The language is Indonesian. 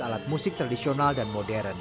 alat musik tradisional dan modern